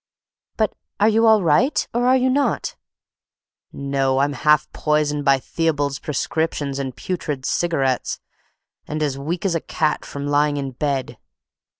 "But are you all right, or are you not?" "No, I'm half poisoned by Theobald's prescriptions and putrid cigarettes, and as weak as a cat from lying in bed."